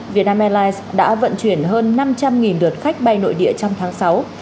vietnam airlines đã vận chuyển hơn năm trăm linh đợt khách bay nội địa trong tháng sáu